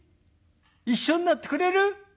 一緒になってくれる？